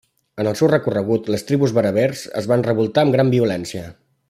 En el seu recorregut, les tribus berbers es van revoltar amb gran violència.